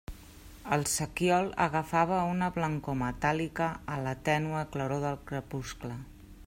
El sequiol agafava una blancor metàl·lica a la tènue claror del crepuscle.